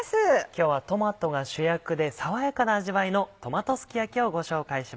今日はトマトが主役で爽やかな味わいの「トマトすき焼き」をご紹介しました。